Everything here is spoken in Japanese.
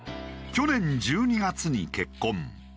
去年１２月に結婚。